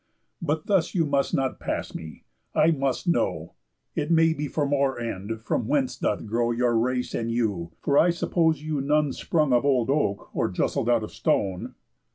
But thus you must not pass me; I must know, It may be for more end, from whence doth grow Your race and you; for I suppose you none Sprung of old oak, or justled out of stone."